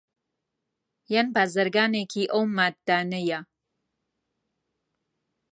یان بازرگانێکی ئەو ماددانەیە